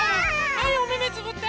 はいおめめつぶって。